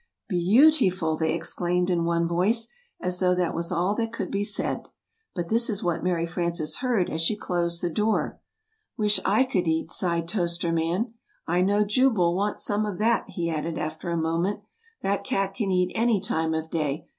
"Beau ti ful!" they exclaimed in one voice, as though that was all that could be said; but this is what Mary Frances heard as she closed the door: "Wish I could eat," sighed Toaster Man. "I know Jube'll want some of that," he added after a moment. "That cat can eat any time of day!